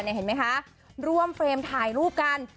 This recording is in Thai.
เห็นไหมคะร่วมเฟรมถ่ายรูปกัน